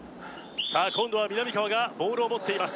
さあ今度はみなみかわがボールを持っています